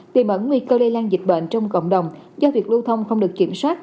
tìm ẩn nguy cơ lây lan dịch bệnh trong cộng đồng do việc lưu thông không được kiểm soát